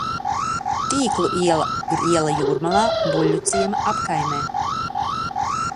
Tīklu iela ir iela Jūrmalā, Buļļuciema apkaimē.